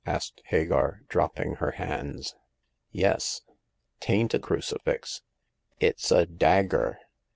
*' asked Hagar, dropping her hands. Yes. Tain't a crucifix ; it's a dagger."